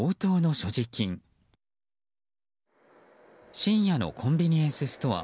深夜のコンビニエンスストア。